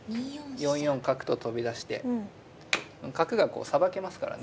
４四角と飛び出して角がこうさばけますからね。